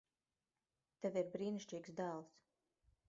Tev ir brīnišķīgs dēls.